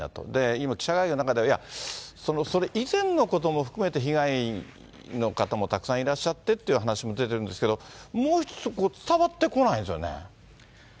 今、記者会見の中では、いや、それ以前のことも含めて被害の方もたくさんいらっしゃってっていう話も出てるんですけど、もう一つ、伝わってこないんですよね。